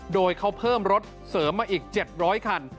โดยเขาเพิ่มรถเสริมมาอีก๗๐๐คัน